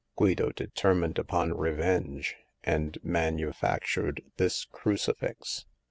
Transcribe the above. Guido determined upon revenge, and manu factured this crucifix."